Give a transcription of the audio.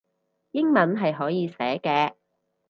英文係可以寫嘅